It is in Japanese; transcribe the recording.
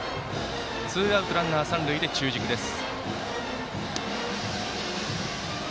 ツーアウトランナー、三塁で中軸です。